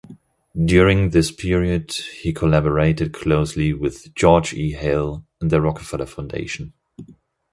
During this period he collaborated closely with George E. Hale and the Rockefeller Foundation.